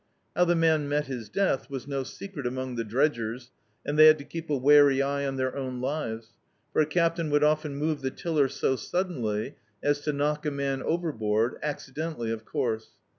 How the man met his death was no secret among the dredgers, and they had to keep a wary eye on their own lives; for a captain would often move the tiller so suddenly as to knock a man overboard* accidentally, of course.